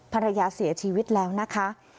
ภรรยาเสียชีวิตแล้วนะคะ